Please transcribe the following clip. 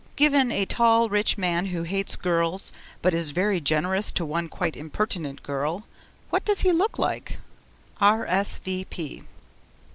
Given a tall rich man who hates girls, but is very generous to one quite impertinent girl, what does he look like? R.S.V.